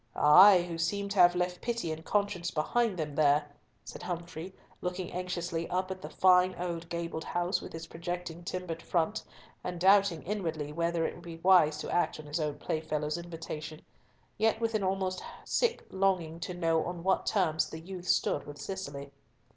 "Ay! who seem to have left pity and conscience behind them there," said Humfrey, looking anxiously up at the fine old gabled house with its projecting timbered front, and doubting inwardly whether it would be wise to act on his old playfellow's invitation, yet with an almost sick longing to know on what terms the youth stood with Cicely.